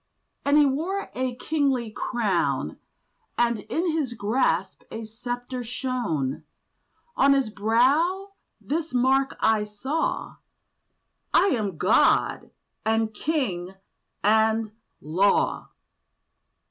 And he wore a kingly crown; And in his grasp a sceptre shone; On his brow this mark I saw— 'I AM GOD, AND KING, AND LAW!